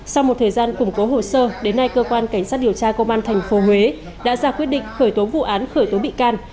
sau một thời gian củng cố hồ sơ đến nay cơ quan cảnh sát điều tra công an tp huế đã ra quyết định khởi tố vụ án khởi tố bị can